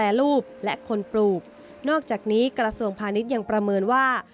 มีกำไรทั้งคนแปรรูปและคนปลูกนอกจากนี้กระทรวงพาณิชย์ยังประเมินว่า